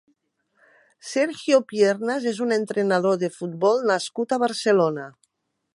Sergio Piernas és un entrenador de futbol nascut a Barcelona.